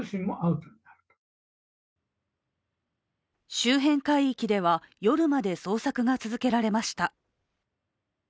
周辺海域では、夜まで捜索が続けられました。